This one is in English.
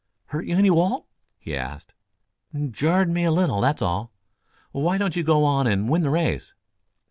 "Hurt you any, Walt?" he asked. "Jarred me a little, that's all. Why don't you go on and win the race?"